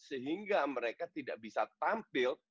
sehingga mereka tidak bisa tampil